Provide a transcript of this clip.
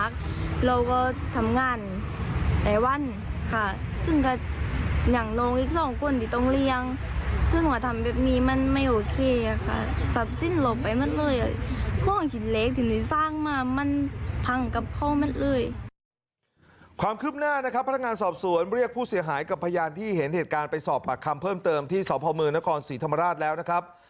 ความคืบหน้านะครับพนักงานสอบสวนเรียกผู้เสียหายกับพยานที่เห็นเหตุการณ์ไปสอบปากคำเพิ่มเติมที่สพมนครศรีธรรมราชแล้วนะครับ